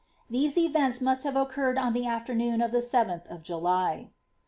These events must have occurred on the afternoon of the uly.